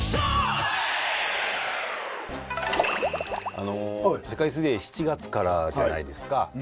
あの世界水泳７月からじゃないですか。